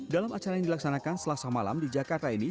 dalam acara yang dilaksanakan selasa malam di jakarta ini